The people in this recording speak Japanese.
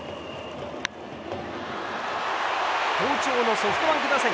好調のソフトバンク打線。